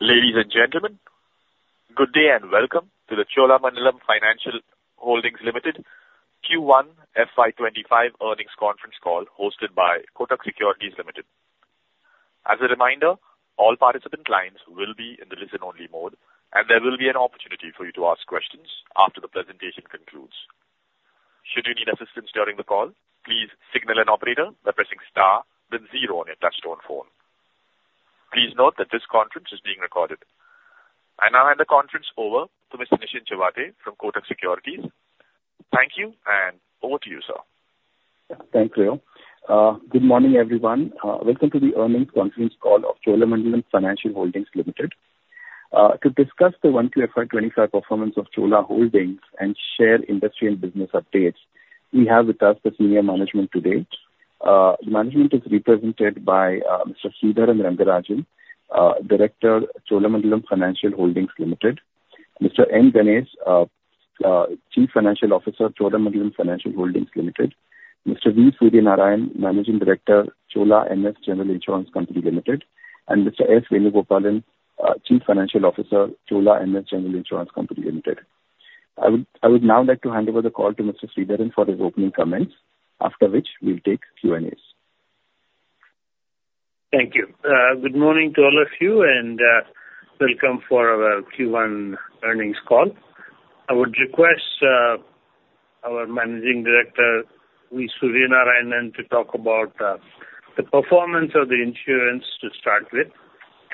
Ladies and gentlemen, good day and welcome to the Cholamandalam Financial Holdings Limited Q1 FY 2025 earnings conference call, hosted by Kotak Securities Limited. As a reminder, all participant lines will be in the listen-only mode, and there will be an opportunity for you to ask questions after the presentation concludes. Should you need assistance during the call, please signal an operator by pressing star, then zero on your touchtone phone. Please note that this conference is being recorded. I now hand the conference over to Mr. Nischint Chawathe from Kotak Securities. Thank you, and over to you, sir. Thank you. Good morning, everyone. Welcome to the earnings conference call of Cholamandalam Financial Holdings Limited. To discuss the Q1 FY 2025 performance of Chola Holdings and share industry and business updates, we have with us the senior management today. The management is represented by Mr. Sridharan Rangarajan, Director, Cholamandalam Financial Holdings Limited; Mr. Ganesh N., Chief Financial Officer, Cholamandalam Financial Holdings Limited; Mr. Suryanarayanan V., Managing Director, Cholamandalam MS General Insurance Company Limited; and Mr. Venugopalan S., Chief Financial Officer, Cholamandalam MS General Insurance Company Limited. I would now like to hand over the call to Mr. Sridharan for his opening comments, after which we'll take Q&As. Thank you. Good morning to all of you, and welcome for our Q1 earnings call. I would request our Managing Director, Suryanarayanan V., to talk about the performance of the insurance to start with,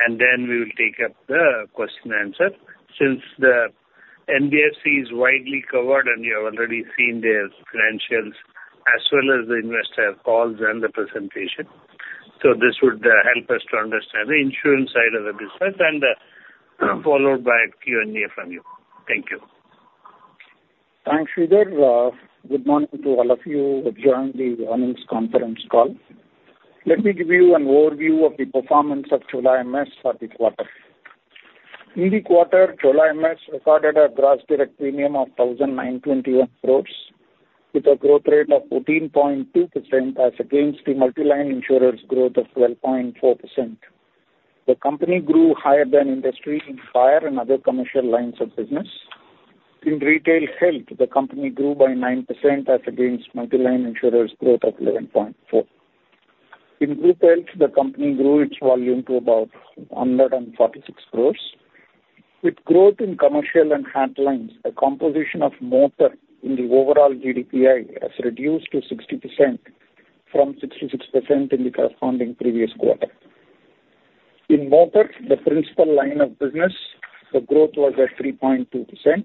and then we will take up the question and answer. Since the NBFC is widely covered, and you have already seen their financials, as well as the investor calls and the presentation. This would help us to understand the insurance side of the business and followed by Q&A from you. Thank you. Thanks, Sridhar. Good morning to all of you who have joined the earnings conference call. Let me give you an overview of the performance of Chola MS for the quarter. In the quarter, Chola MS recorded a gross direct premium of 1,921 crore, with a growth rate of 14.2% as against the multi-line insurers' growth of 12.4%. The company grew higher than industry in fire and other commercial lines of business. In retail health, the company grew by 9% as against multi-line insurers' growth of 11.4%. In group health, the company grew its volume to about 146 crore. With growth in commercial and health lines, the composition of motor in the overall GDPI has reduced to 60% from 66% in the corresponding previous quarter. In motor, the principal line of business, the growth was at 3.2%.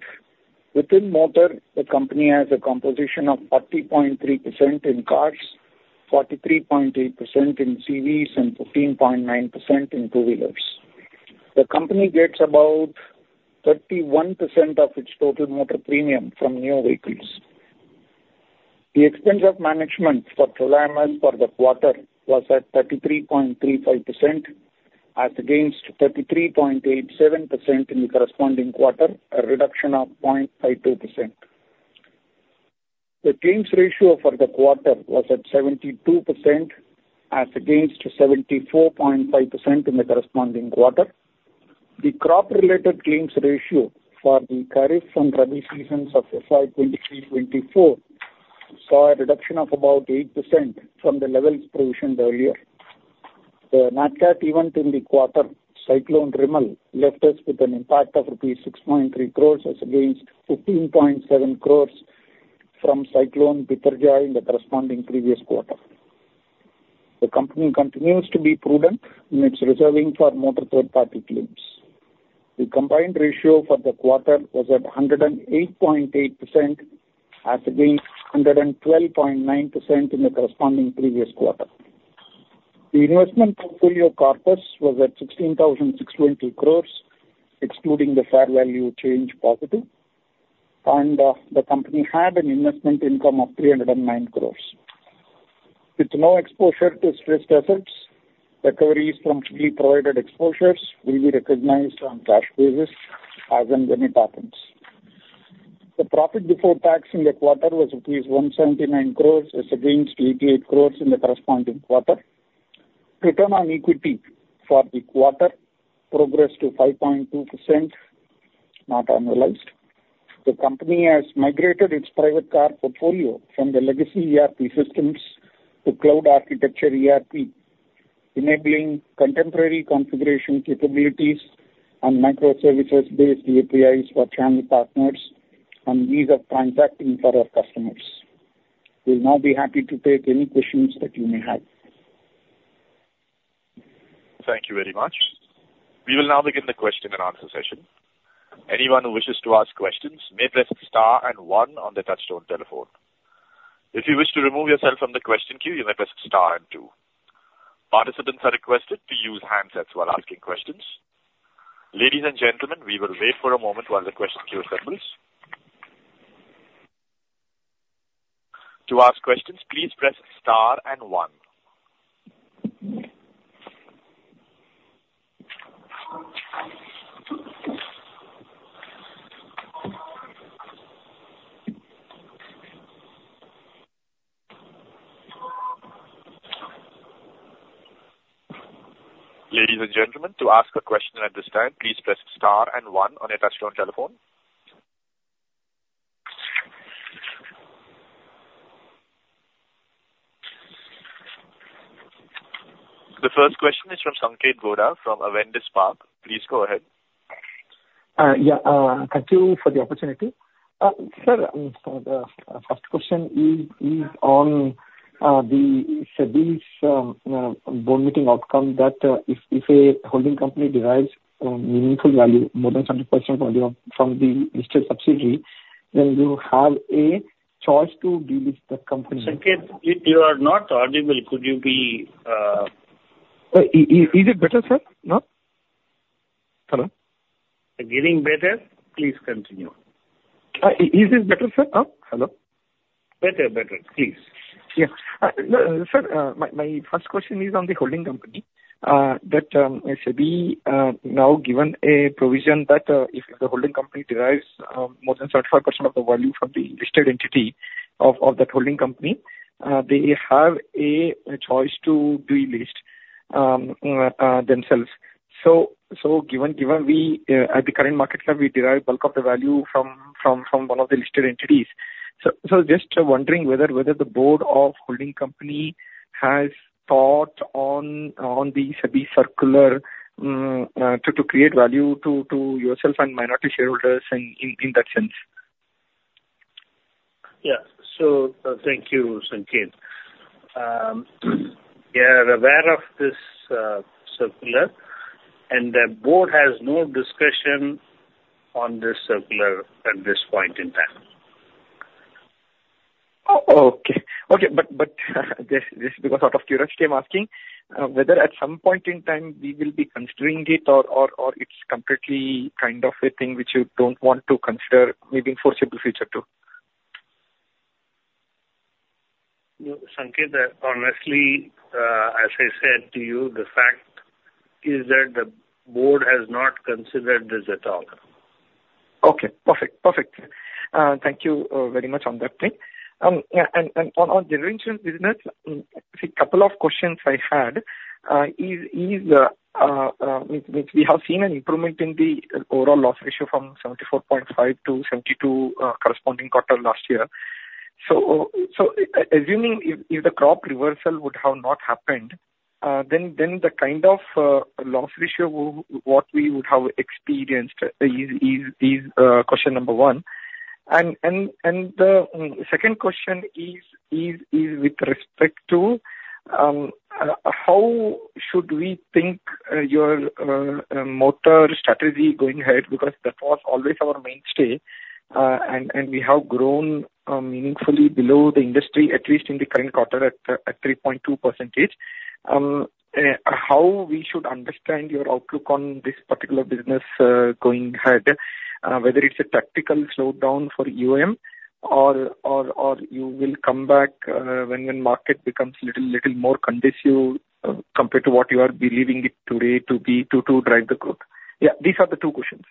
Within motor, the company has a composition of 40.3% in cars, 43.8% in CVs, and 15.9% in two-wheelers. The company gets about 31% of its total motor premium from new vehicles. The expense of management for Chola MS for the quarter was at 33.35%, as against 33.87% in the corresponding quarter, a reduction of 0.52%. The claims ratio for the quarter was at 72%, as against 74.5% in the corresponding quarter. The crop-related claims ratio for the Kharif and Rabi seasons of FY 2023-24 saw a reduction of about 8% from the levels provisioned earlier. The NAT CAT event in the quarter, Cyclone Remal, left us with an impact of INR 6.3 crore, as against 15.7 crore from Cyclone Biparjoy in the corresponding previous quarter. The company continues to be prudent in its reserving for motor third-party claims. The combined ratio for the quarter was at 108.8%, as against 112.9% in the corresponding previous quarter. The investment portfolio corpus was at 16,620 crore, excluding the fair value change positive, and, the company had an investment income of 309 crore. With no exposure to stressed assets, recoveries from previously provided exposures will be recognized on cash basis as and when it happens. The profit before tax in the quarter was rupees 179 crore, as against 88 crore in the corresponding quarter. Return on Equity for the quarter progressed to 5.2%, not annualized. The company has migrated its private car portfolio from the legacy ERP systems to cloud architecture ERP, enabling contemporary configuration capabilities on microservices-based APIs for channel partners and ease of transacting for our customers. We'll now be happy to take any questions that you may have. Thank you very much. We will now begin the question and answer session. Anyone who wishes to ask questions may press star and one on the touchtone telephone. If you wish to remove yourself from the question queue, you may press star and two. Participants are requested to use handsets while asking questions. Ladies and gentlemen, we will wait for a moment while the question queue assembles. To ask questions, please press star and one. Ladies and gentlemen, to ask a question at this time, please press star and one on your touchtone telephone. The first question is from Sanket Godha from Avendus Spark. Please go ahead. Yeah, thank you for the opportunity. Sir, so the first question is on the SEBI's Board meeting outcome that if a holding company derives meaningful value, more than 30% value from the listed subsidiary, then you have a choice to delist the company. Sanket, you are not audible. Could you be... Is it better, sir, now? Hello. Getting better. Please continue. Is this better, sir, now? Hello. Better, better. Please. Yeah. No, sir, my first question is on the holding company that SEBI now given a provision that if the holding company derives more than 35% of the value from the listed entity of that holding company, they have a choice to delist themselves. So, given we at the current market cap, we derive bulk of the value from one of the listed entities. So, just wondering whether the board of holding company has thought on the SEBI circular to create value to yourself and minority shareholders in that sense? Yeah. So, thank you, Sanket. We are aware of this circular, and the board has no discussion on this circular at this point in time. Oh, okay. Okay, but, but just, just because out of curiosity, I'm asking, whether at some point in time we will be considering it or, or, or it's completely kind of a thing which you don't want to consider maybe in foreseeable future, too? Sanket, honestly, as I said to you, the fact is that the board has not considered this at all. Okay, perfect. Perfect. Thank you very much on that thing. Yeah, and on generation business, a couple of questions I had is we have seen an improvement in the overall loss ratio from 74.5% to 72%, corresponding quarter last year. So, assuming if the crop reversal would have not happened, then the kind of loss ratio what we would have experienced is question number one. And the second question is with respect to how should we think your motor strategy going ahead? Because that was always our mainstay. And we have grown meaningfully below the industry, at least in the current quarter, at 3.2%. How we should understand your outlook on this particular business going ahead, whether it's a tactical slowdown for UM or you will come back when the market becomes a little more conducive compared to what you are believing it today to be, to drive the growth? Yeah, these are the two questions.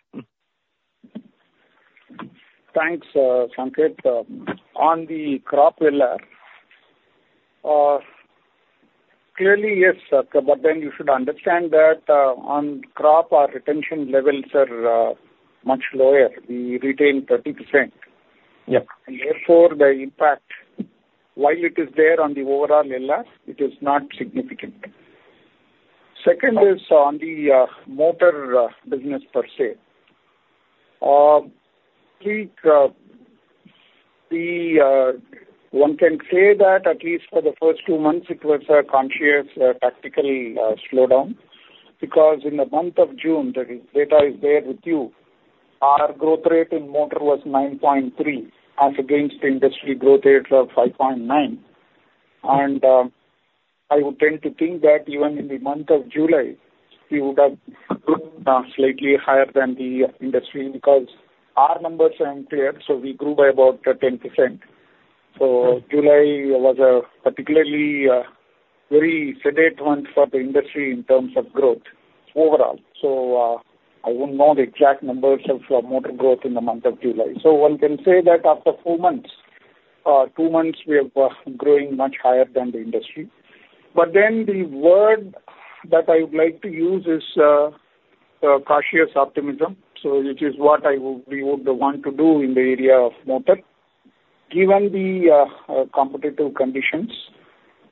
Thanks, Sanket. On the crop pillar, clearly, yes, sir, but then you should understand that, on crop, our retention levels are much lower. We retain 30%. Yeah. Therefore, the impact, while it is there on the overall pillar, it is not significant. Second is on the motor business per se. One can say that at least for the first two months, it was a conscious tactical slowdown, because in the month of June, the data is there with you, our growth rate in motor was 9.3 as against industry growth rate of 5.9. And I would tend to think that even in the month of July, we would have grown slightly higher than the industry because our numbers are clear, so we grew by about 10%. So July was a particularly very sedate month for the industry in terms of growth overall. So I wouldn't know the exact numbers of motor growth in the month of July. So one can say that after four months, two months, we are growing much higher than the industry. But then the word that I would like to use is, cautious optimism. So which is what I would—we would want to do in the area of motor. Given the, competitive conditions,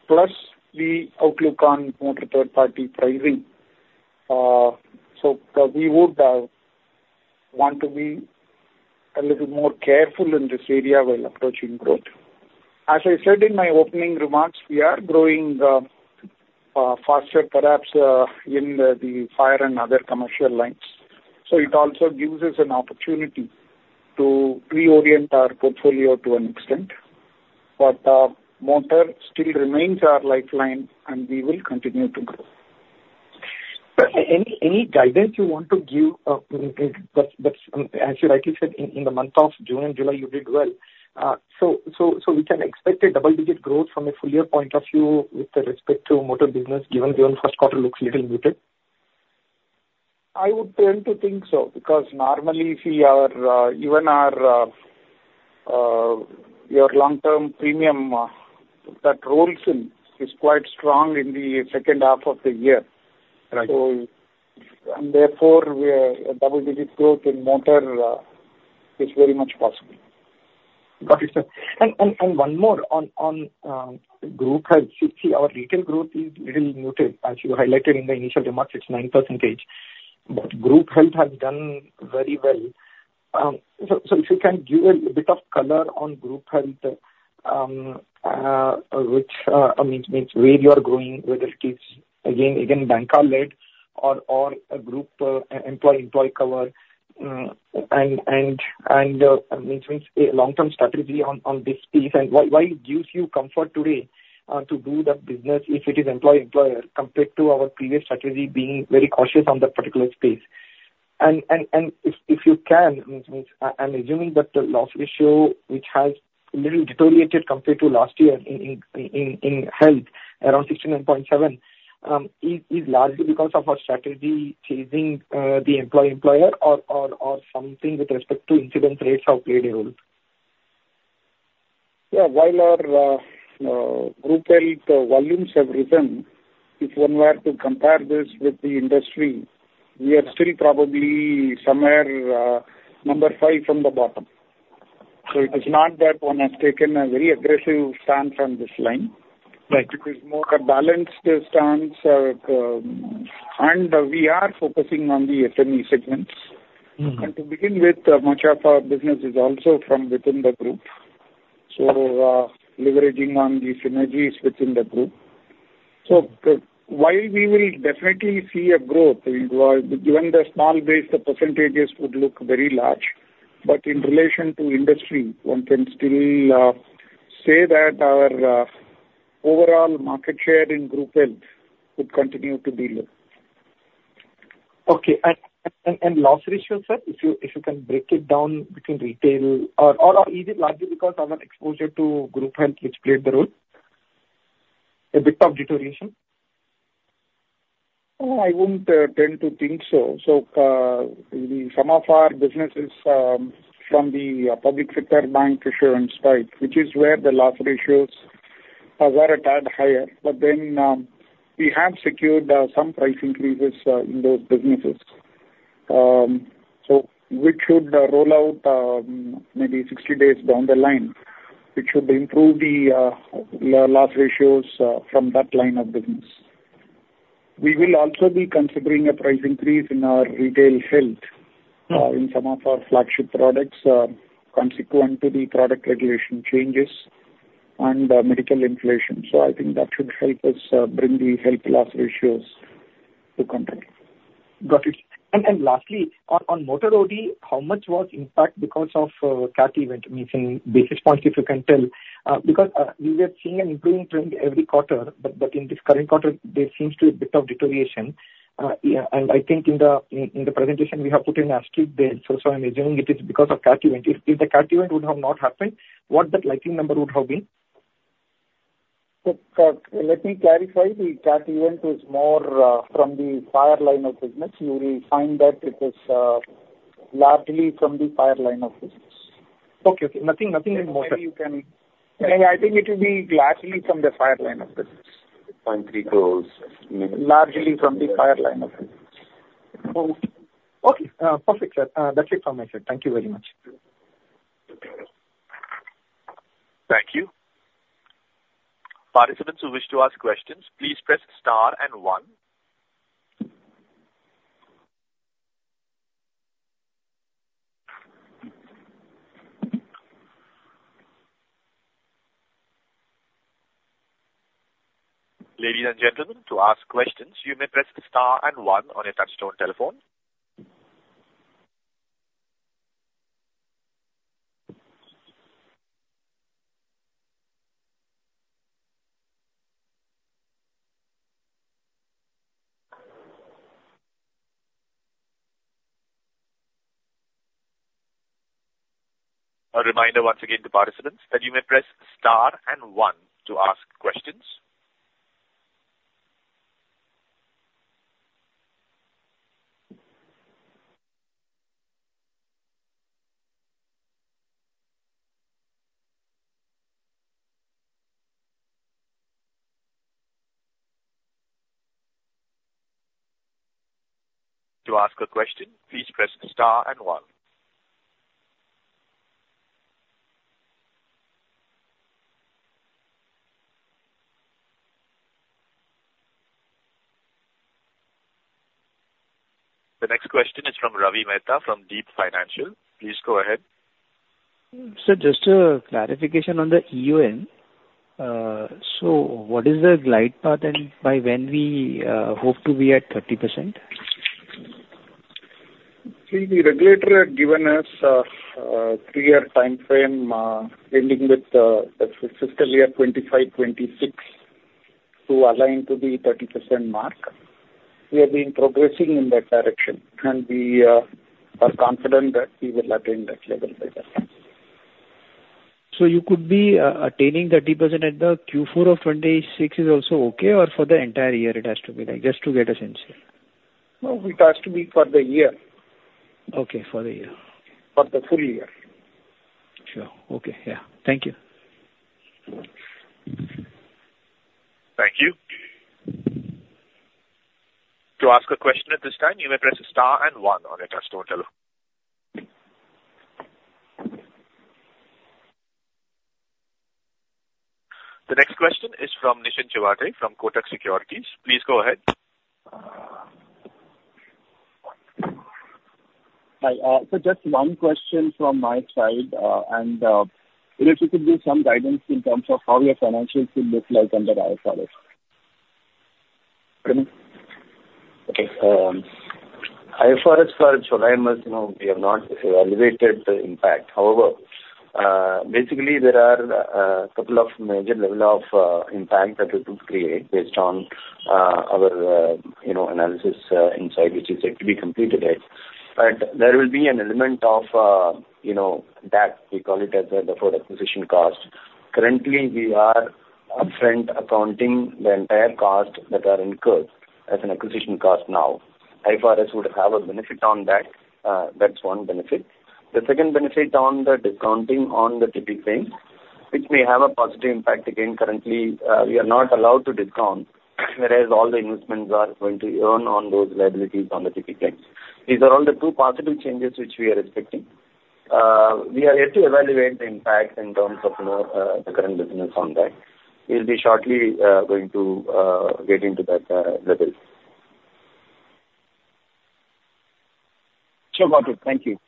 plus the outlook on motor third-party pricing, so we would, want to be a little more careful in this area while approaching growth. As I said in my opening remarks, we are growing, faster, perhaps, in the, the fire and other commercial lines, so it also gives us an opportunity to reorient our portfolio to an extent. But, motor still remains our lifeline, and we will continue to grow. Any, any guidance you want to give, that's, that's, as you rightly said, in, in the month of June and July, you did well. So, so, so we can expect a double-digit growth from a full year point of view with respect to motor business, given the first quarter looks little muted? I would tend to think so, because normally if we are, even our, your long-term premium, that rolls in is quite strong in the second half of the year. Right. Therefore, we are a double-digit growth in motor, is very much possible. Got it, sir. And one more on group health. You see, our retail growth is little muted, as you highlighted in the initial remarks, it's 9%. But group health has done very well. So if you can give a bit of color on group health, which I mean means where you are growing, whether it's banker-led or a group employee-employer cover. And I mean a long-term strategy on this piece, and why it gives you comfort today to do that business if it is employee-employer, compared to our previous strategy being very cautious on that particular space. And if you can, I mean, I'm assuming that the loss ratio, which has little deteriorated compared to last year in health around 69.7, is largely because of our strategy changing, the employee-employer or something with respect to incident rates have played a role? Yeah. While our group health volumes have risen, if one were to compare this with the industry, we are still probably somewhere number five from the bottom. So it is not that one has taken a very aggressive stance on this line. Right. It is more a balanced stance. We are focusing on the SME segments. Mm-hmm. To begin with, much of our business is also from within the group, so, leveraging on the synergies within the group. So, while we will definitely see a growth, given the small base, the percentages would look very large, but in relation to industry, one can still say that our overall market share in group health would continue to be low. Okay. And loss ratio, sir, if you can break it down between retail or is it largely because of our exposure to group health, which played the role? A bit of deterioration. No, I wouldn't tend to think so. So, some of our businesses from the public sector bancassurance side, which is where the loss ratios are, were a tad higher. But then, we have secured some price increases in those businesses. So which should roll out maybe 60 days down the line, which should improve the loss ratios from that line of business. We will also be considering a price increase in our retail health- Mm. in some of our flagship products, consequent to the product regulation changes and medical inflation. So I think that should help us, bring the health loss ratios to control. Got it. And lastly, on motor OD, how much was the impact because of the cat event, meaning basis points, if you can tell? Because we were seeing an improving trend every quarter, but in this current quarter, there seems to be a bit of deterioration. Yeah, and I think in the presentation, we have put in as ex-cat base, so I'm assuming it is because of cat event. If the cat event would have not happened, what that loss ratio number would have been? Let me clarify. The cat event was more from the fire line of business. You will find that it is largely from the fire line of business. Okay. Okay. Nothing, nothing in motor. Maybe you can... Yeah, I think it will be largely from the fire line of business. 6.3 crore. Largely from the fire line of business. Okay. Perfect, sir. That's it from my side. Thank you very much. Thank you. Participants who wish to ask questions, please press star and one. Ladies and gentlemen, to ask questions, you may press star and one on your touchtone telephone. A reminder once again to participants, that you may press star and one to ask questions. To ask a question, please press star and one. The next question is from Ravi Mehta, from Deep Financial. Please go ahead. Sir, just a clarification on the EOM. So what is the glide path, and by when we hope to be at 30%? See, the regulator had given us a three-year timeframe ending with the fiscal year 2025-2026 to align to the 30% mark. We have been progressing in that direction, and we are confident that we will attain that level by then. So you could be attaining 30% at the Q4 of 2026 is also okay, or for the entire year it has to be like, just to get a sense here? No, it has to be for the year. Okay, for the year. For the full year. Sure. Okay. Yeah. Thank you. Thank you. To ask a question at this time, you may press star and one on your touchtone telephone. The next question is from Nischint Chawathe from Kotak Securities. Please go ahead. Hi, so just one question from my side, and, if you could give some guidance in terms of how your financials will look like under IFRS? Pardon me. Okay. IFRS for nine months, you know, we have not evaluated the impact. However, basically there are couple of major level of impact that it could create based on our, you know, analysis inside, which is yet to be completed yet. But there will be an element of, you know, that we call it as the, the full acquisition cost. Currently, we are upfront accounting the entire cost that are incurred as an acquisition cost now. IFRS would have a benefit on that, that's one benefit. The second benefit on the discounting on the TP claims, which may have a positive impact again, currently, we are not allowed to discount, whereas all the investments are going to earn on those liabilities on the TP claims. These are all the two positive changes which we are expecting. We are yet to evaluate the impact in terms of, you know, the current business on that. We'll be shortly going to get into that detail. Sure about it. Thank you.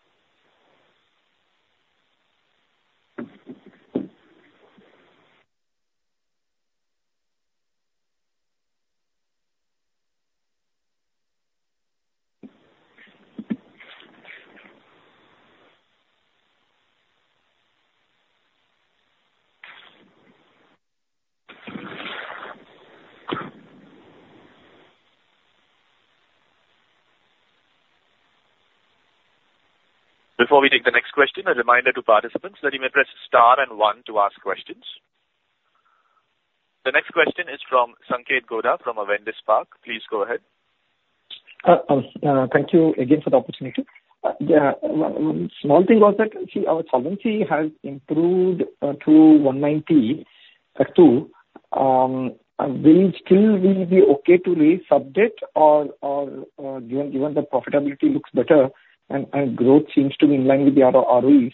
Before we take the next question, a reminder to participants that you may press star and one to ask questions. The next question is from Sanket Godha, from Avendus Spark. Please go ahead. Thank you again for the opportunity. Yeah, one small thing was that our solvency has improved to 1.92. And will it still be okay to raise subject or, given the profitability looks better and growth seems to be in line with the other ROEs.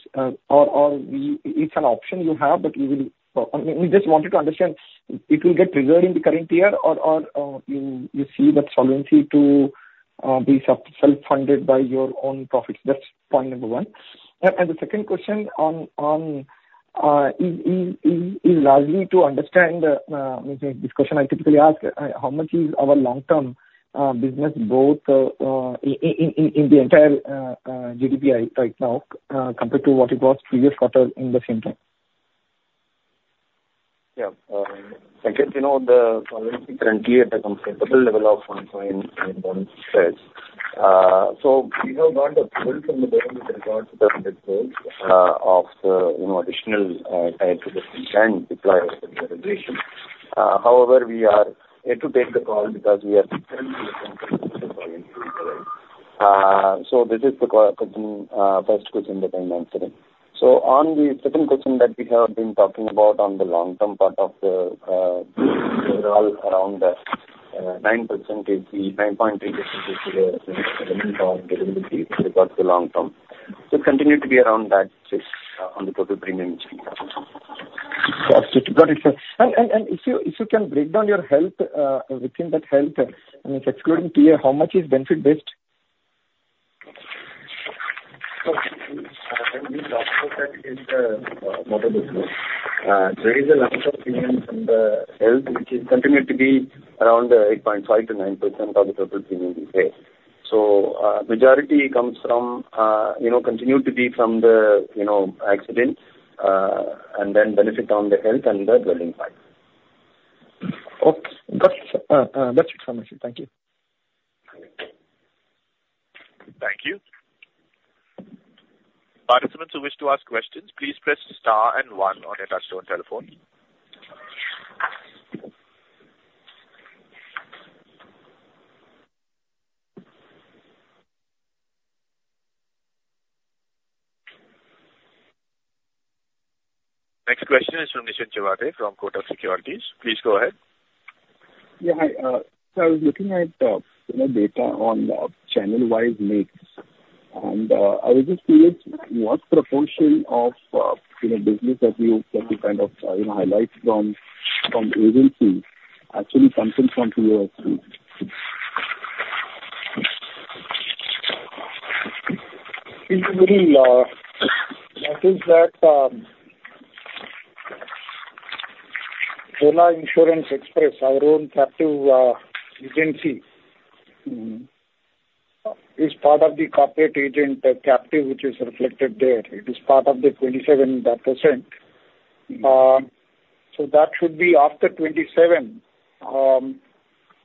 Or, it's an option you have, but you will... I mean, we just wanted to understand it will get triggered in the current year or you see that solvency to be self-funded by your own profits? That's point number one. The second question is largely to understand this question I typically ask, how much is our long-term business both in the entire GDPI right now compared to what it was previous quarter in the same time? Yeah. Second, you know, the solvency currently at a comfortable level of 1.92. So we have got the approval from the government in regard to the, you know, additional, and to the and deploy regulation. However, we are yet to take the call because we are. So this is the question, first question that I'm answering. So on the second question that we have been talking about on the long-term part of the, uh, around, uh, uh, 9%, 9.8% of the availability with regards to long term. It continued to be around that, uh, on the total premium. Got it, got it, sir. And if you can break down your health, within that health, and it's excluding PA, how much is benefit based? So, in the is, there is a large of premium in the health, which is continued to be around 8.5%-9% of the total premium we pay. So, majority comes from, you know, continued to be from the, you know, accidents, and then benefit on the health and the dwelling part. Okay. Got it. That's it from my side. Thank you. Thank you. Participants who wish to ask questions, please press star and one on your touchtone telephone. Next question is from Nischint Chawathe from Kotak Securities. Please go ahead. Yeah, hi. So I was looking at, you know, data on channel-wide mix, and I was just curious, what proportion of, you know, business that you, that you kind of, you know, highlight from, from agency actually comes in from your side? That is that, Insurance Express, our own captive agency, is part of the corporate agent, the captive, which is reflected there. It is part of the 27%. So that should be after 27%,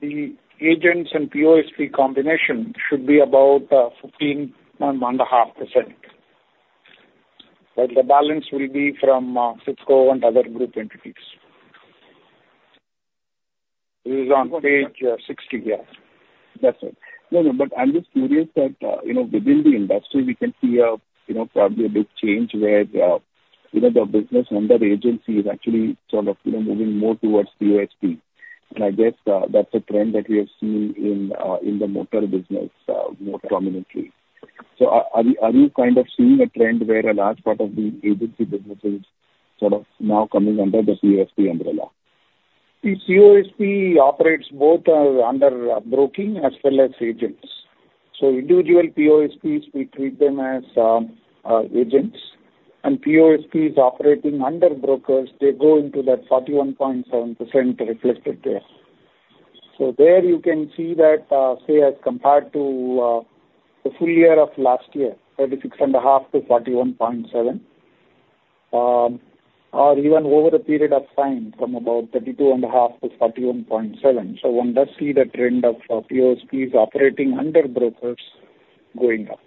the agents and POSP combination should be about 15% and 1.5%. But the balance will be from CIFCL and other group entities. This is on page 60. Yeah. That's it. No, no, but I'm just curious that, you know, within the industry, we can see a, you know, probably a big change where, you know, the business under agency is actually sort of, you know, moving more towards POSP. And I guess, that's a trend that we have seen in, in the motor business, more prominently. So are you kind of seeing a trend where a large part of the agency business is sort of now coming under the POSP umbrella? The POSP operates both under broking as well as agents. So individual POSPs, we treat them as agents. And POSPs operating under brokers, they go into that 41.7% reflected there. So there you can see that, say as compared to the full year of last year, 36.5-41.7. Or even over a period of time, from about 32.5-41.7. So one does see the trend of POSPs operating under brokers going up.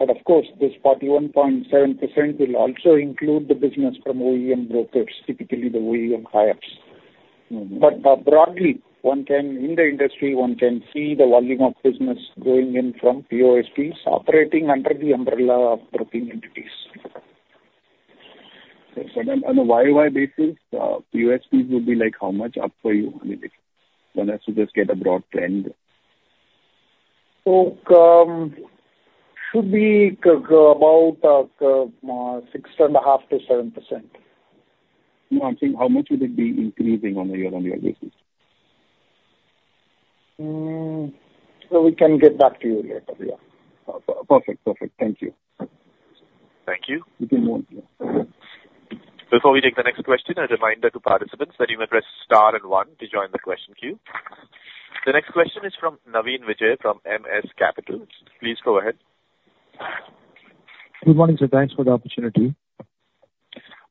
But of course, this 41.7% will also include the business from OEM brokers, typically the OEM tie-ups. But broadly, one can, in the industry, one can see the volume of business going in from POSPs operating under the umbrella of broking entities. On a YoY basis, POSPs would be like, how much up for you? I mean, one has to just get a broad trend. should be about 6.5%-7%. No, I'm saying how much would it be increasing on a year-on-year basis? So we can get back to you later. Yeah. Perfect. Perfect. Thank you. Thank you. You're welcome. Before we take the next question, a reminder to participants that you may press star and one to join the question queue. The next question is from Naveen Vijay from MS Capital. Please go ahead. Good morning, sir. Thanks for the opportunity.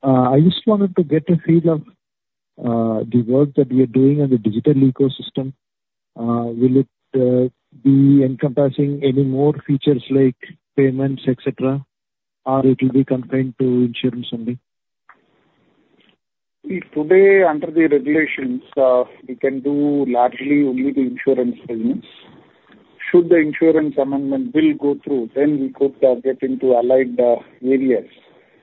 I just wanted to get a feel of the work that we are doing on the digital ecosystem. Will it be encompassing any more features like payments, et cetera, or it will be confined to insurance only? Today, under the regulations, we can do largely only the insurance payments. Should the insurance amendment bill go through, then we could get into allied areas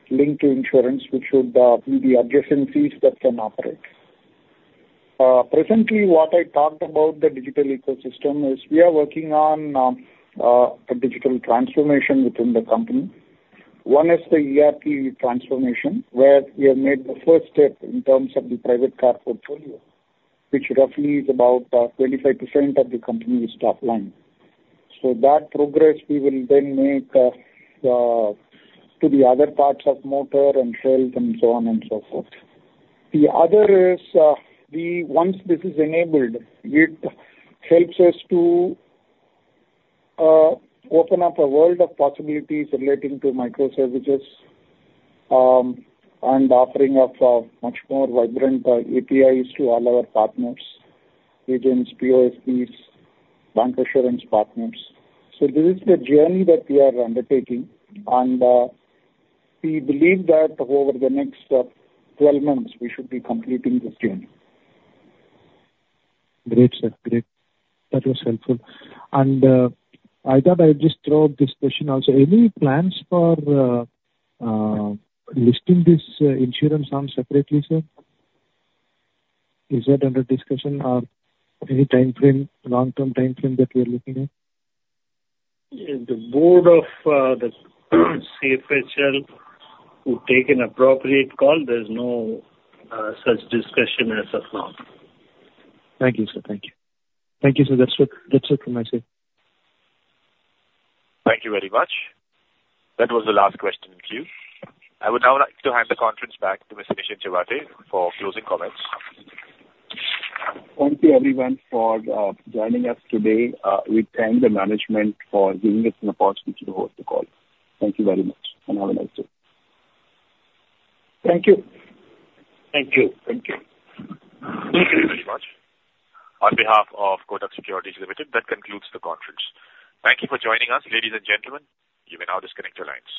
linked to insurance, which should be the adjacencies that can operate. Presently, what I talked about the digital ecosystem is we are working on a digital transformation within the company. One is the ERP transformation, where we have made the first step in terms of the private car portfolio, which roughly is about 25% of the company's top line. So that progress we will then make to the other parts of motor and health, and so on and so forth. The other is, once this is enabled, it helps us to open up a world of possibilities relating to microservices, and offering of a much more vibrant APIs to all our partners, agents, POSPs, bancassurance partners. So this is the journey that we are undertaking, and we believe that over the next 12 months, we should be completing this journey. Great, sir. Great. That was helpful. And I thought I'd just throw this question also. Any plans for listing this insurance arm separately, sir? Is that under discussion or any timeframe, long-term timeframe that we are looking at. The board of the CFHL will take an appropriate call. There's no such discussion as of now. Thank you, sir. Thank you. Thank you, sir. That's it, that's it from my side. Thank you very much. That was the last question in queue. I would now like to hand the conference back to Mr. Nischint Chawathe for closing comments. Thank you, everyone, for joining us today. We thank the management for giving us an opportunity to host the call. Thank you very much, and have a nice day. Thank you. Thank you. Thank you. Thank you very much. On behalf of Kotak Securities Limited, that concludes the conference. Thank you for joining us, ladies and gentlemen. You may now disconnect your lines.